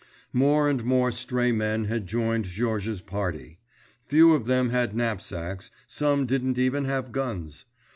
More and more stray men had joined Georges's party. Few of them had knapsacks, some didn't even have guns.